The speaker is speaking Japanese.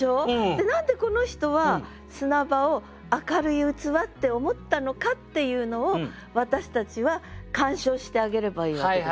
で何でこの人は砂場を明るい器って思ったのかっていうのを私たちは鑑賞してあげればいいわけです。